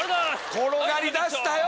転がりだしたよ！